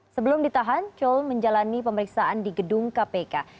sebelum ditahan col menjalani pemeriksaan di gedung kpk